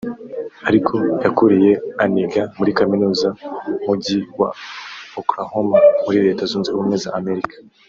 ariko yakuriye aniga muri kaminuza mujyi wa Oklahoma muri Leta Zunze Ubumwe za Amerika